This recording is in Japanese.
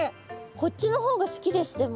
こっちの方が好きですでも。